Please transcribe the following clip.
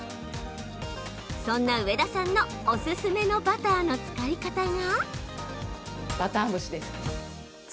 そんな上田さんのおすすめのバターの使い方が。